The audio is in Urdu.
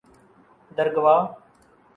درگوا